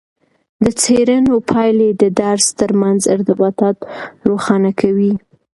د څیړنو پایلې د درس ترمنځ ارتباطات روښانه کوي.